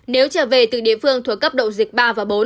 nếu trở về từ địa phương thuộc cấp độ dịch ba và bốn